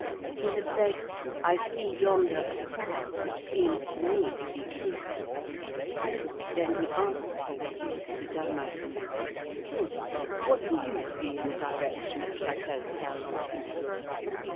He had said, "I see yonder a cloud, which seems to me to be troops." Then he asked the Duc de Dalmatie, "Soult, what do you see in the direction of Chapelle Saint Lambert?"